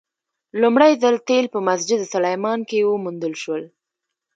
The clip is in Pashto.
لومړی ځل تیل په مسجد سلیمان کې وموندل شول.